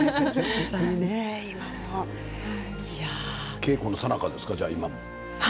稽古のさなかですか、今。